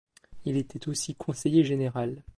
Il était aussi conseiller général.